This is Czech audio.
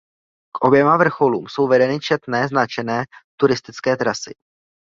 K oběma vrcholům jsou vedeny četné značené turistické trasy.